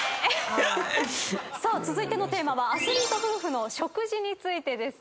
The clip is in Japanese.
続いてのテーマはアスリート夫婦の食事についてです。